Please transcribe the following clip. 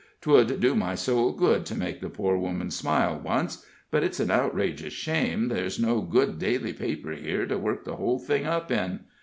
'Twould do my soul good to make the poor woman smile once; but it's an outrageous shame there's no good daily paper here to work the whole thing up in.